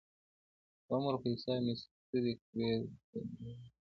د عمر په حساب مي ستړي کړي دي مزلونه-